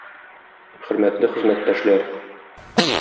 Хөрмәтле хезмәттәшләр!